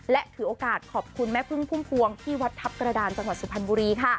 และถือโอกาสขอบคุณแม่พึ่งพุ่มพวงที่วัดทัพกระดานจังหวัดสุพรรณบุรีค่ะ